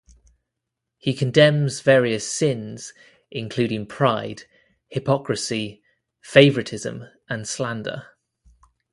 He condemns various sins, including pride, hypocrisy, favouritism, and slander.